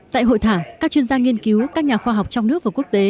tại hội thảo các chuyên gia nghiên cứu các nhà khoa học trong nước và quốc tế